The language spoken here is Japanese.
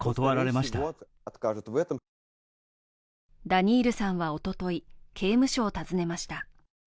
ダニールさんはおととい刑務所を訪ねました。